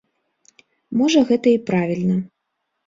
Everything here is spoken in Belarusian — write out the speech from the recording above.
Можа гэта і правільна.